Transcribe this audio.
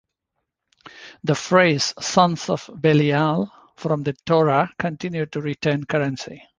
The phrase "sons of Belial" from the Torah continued to retain currency.